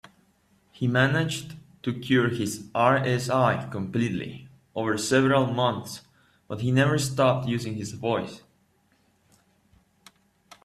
He managed to cure his RSI completely over several months, but he never stopped using his voice.